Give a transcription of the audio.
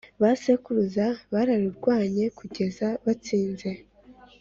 ba sekuruza bararurwanye kugeza batsinze